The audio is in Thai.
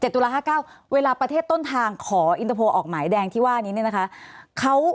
ตุลา๕๙เวลาประเทศต้นทางขออินเตอร์โพลออกหมายแดงที่ว่านี้เนี่ยนะคะเขา